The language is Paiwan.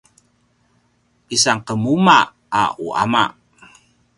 isan qemuma a u ama